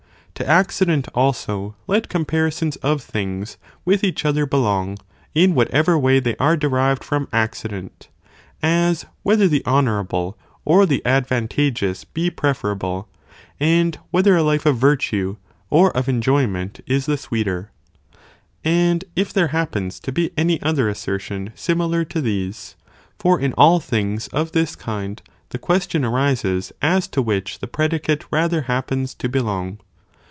tf To ἴ,1. ὃ. what accident also let comparisons of things with each other belong, in whatever way they are derived from acci dent, as, whether the honourable or the advantageous be pre ferable, and whether a life of virtue or of enjoyment is the sweeter, and if there happens to be any other assertion similar to these, for in all things of this kind, the question arises as to which the predicate rather happens to belong."